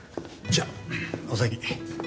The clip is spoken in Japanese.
じゃあお先。